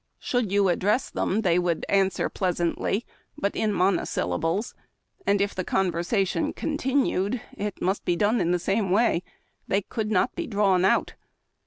Should you address them, they would answer pleasantl3% but in mono syllables ; and if the conversation was continued, it must be done in the same way. They could not be drawn out.